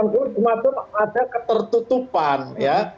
jadi ada ketertutupan ya